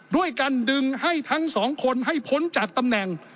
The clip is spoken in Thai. ด้วยการดึงให้ทั้งสองคนให้พ้นจากตำแหน่ง